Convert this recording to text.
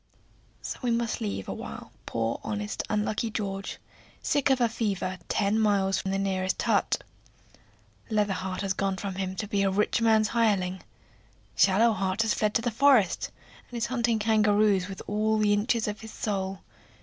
So we must leave awhile poor, honest, unlucky George, sick of a fever, ten miles from the nearest hut. Leather heart has gone from him to be a rich man's hireling. Shallow heart has fled to the forest, and is hunting kangaroos with all the inches of his soul.